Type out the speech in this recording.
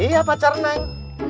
iya pacar neng